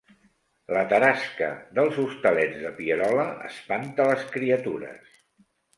La tarasca dels Hostalets de Pierola espanta les criatures